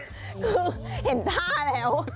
คือเห็นท่าแล้ว